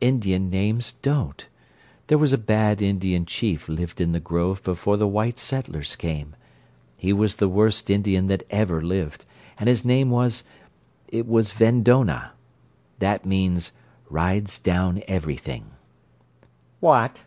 "Indian names don't. There was a bad Indian chief lived in the grove before the white settlers came. He was the worst Indian that ever lived, and his name was—it was 'Vendonah.' That means 'Rides Down Everything'." "What?"